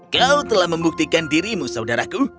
kau telah membuktikan dirimu saudaraku